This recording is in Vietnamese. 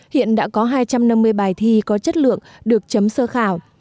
hiện đã có hai trăm năm mươi bài thi có chất lượng được chấm sơ khảo